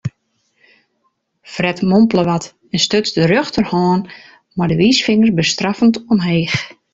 Fred mompele wat en stuts de rjochterhân mei de wiisfinger bestraffend omheech.